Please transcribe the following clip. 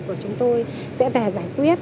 của chúng tôi sẽ phải giải quyết